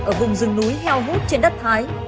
ở vùng rừng núi heo hút trên đất thái